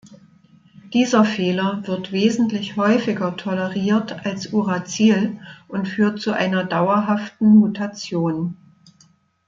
Dieser „Fehler“ wird wesentlich häufiger toleriert als Uracil und führt zu einer dauerhaften Mutation.